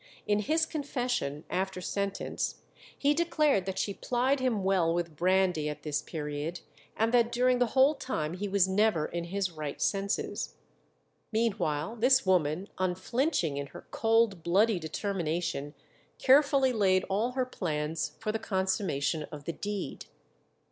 In his confession after sentence he declared that she plied him well with brandy at this period, and that during the whole time he was never in his right senses. Meanwhile this woman, unflinching in her cold, bloody determination, carefully laid all her plans for the consummation of the deed.